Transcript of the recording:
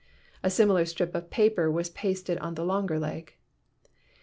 (A similar strip of paper was pasted on the longer leg.)